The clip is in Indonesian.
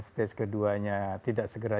stage keduanya tidak segera